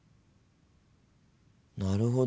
なるほど。